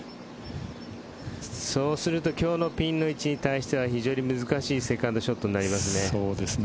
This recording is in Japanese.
そうすると今日のピンの位置に対して非常に難しいセカンドショットになりますね。